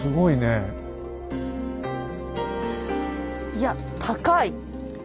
いや高い。